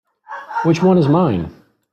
Which one is mine?